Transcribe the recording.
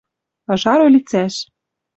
Ыжар ӧлицӓш.